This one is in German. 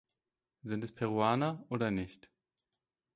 Sind es Peruaner oder nicht?